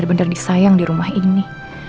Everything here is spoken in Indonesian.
dia beneran peduli banget sama si ini